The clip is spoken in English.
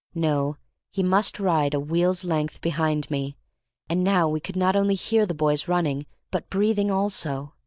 No, he must ride a wheel's length behind me, and now we could not only hear the boys running, but breathing also.